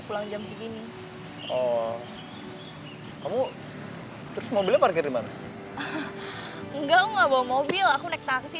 pulang jam segini kamu mobilnya parkeer di mana enggak mau mobil aku naik taksi